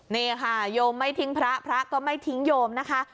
นี่ค่ะโยมไม่ทิ้งพระพระก็ไม่ทิ้งโยมนะคะ